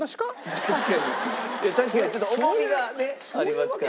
確かにちょっと重みがありますから。